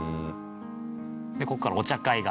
でここからお茶会が。